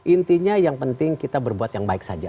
intinya yang penting kita berbuat yang baik saja